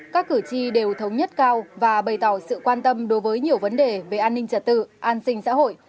các cử tri đều thống nhất cao và bày tỏ sự quan tâm đối với nhiều vấn đề về an ninh trật tự an sinh xã hội